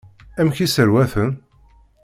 Amek i sserwaten?